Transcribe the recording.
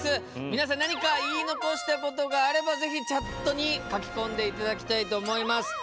皆さん何か言い残したことがあればぜひチャットに書き込んで頂きたいと思います。